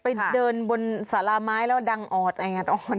ไปเดินบนสาราไม้แล้วดังออดอะไรอย่างนี้